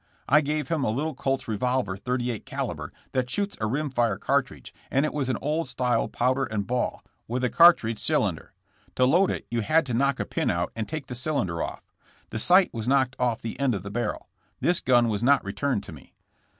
I gave him a little Colt's revolver, 38 caliber, that shoots a rim fire cartridge; it was an old style pow der and ball, with a cartridge cylinder. To load it you had to knock a pin out and take the cylinder off. The sight was knocked off the end of the barrel. This gun was not returned to me.